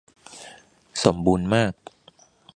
สมบูรณ์มาก !